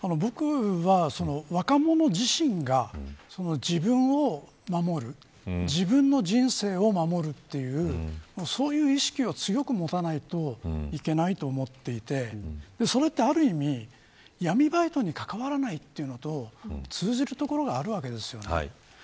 若者を薬物に手を染めさせないため若者自身が自分を守る自分の人生を守るというそういう意識を強く持たないといけないと思っていてそれってある意味闇バイトに関わらないというのと通ずるところがあるわけです。